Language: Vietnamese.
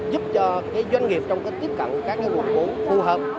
giúp cho doanh nghiệp trong tiếp cận các nguồn vốn phù hợp